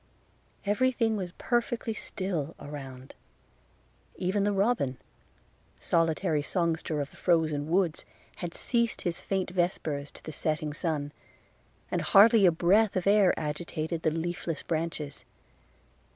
Every thing was perfectly still around; even the robin, solitary songster of the frozen woods, had ceased his faint vespers to the setting sun, and hardly a breath of air agitated the leafless branches.